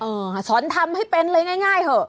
สอนทำให้เป็นเลยง่ายเถอะ